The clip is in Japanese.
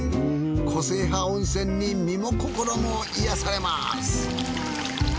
個性派温泉に身も心も癒やされます。